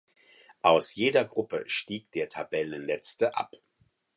Aus jeder Gruppe stieg der Tabellenletzte ab.